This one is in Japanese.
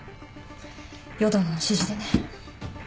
淀野の指示でね。